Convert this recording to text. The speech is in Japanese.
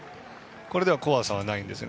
これでは怖さはないんですよ